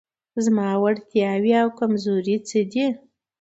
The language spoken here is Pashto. زما وړتیاوې او کمزورۍ څه دي؟